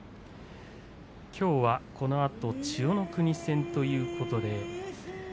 きょうはこのあと千代の国戦ということで。